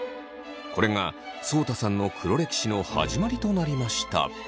これがそうたさんの黒歴史の始まりとなりました。